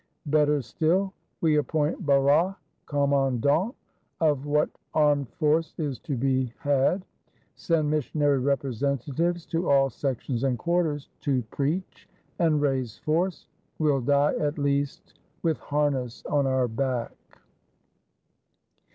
Better still, we appoint Barras Commandant of what Armed force is to be had; send Missionary Representatives to all Sections and quarters, to preach, and raise force; will die at least with harness on our back.